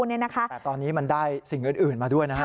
แต่ตอนนี้มันได้สิ่งอื่นมาด้วยนะฮะ